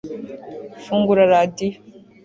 Fungura radiyo